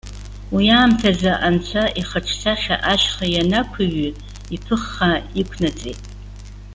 Уи аамҭазы Анцәа ихаҿсахьа ашьха ианақәыҩҩы иԥыххаа иқәнаҵеит.